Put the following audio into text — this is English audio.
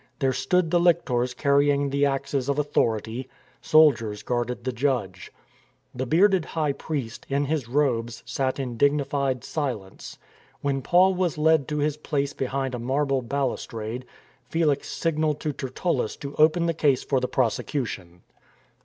There stood the lictors carrying the axes of authority. Soldiers guarded the judge. The bearded high priest, in his robes, sat in dignified silence. When Paul was led to his place behind a marble balustrade, Felix signalled to Tertullus to open the case for the prosecu tion.